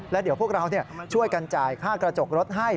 แล้วเดี๋ยวพวกเราช่วยกันจ่ายค่ากระจกรถให้